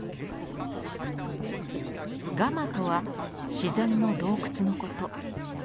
「ガマ」とは自然の洞窟のこと。